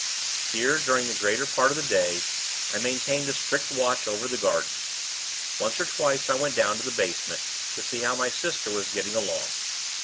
Here, during the greater part of the day, I maintained a strict watch over the gardens. Once or twice, I went down to the basement, to see how my sister was getting along.